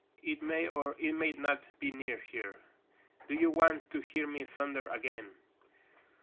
It may or it may not be near here. Do you want to hear me thunder again?"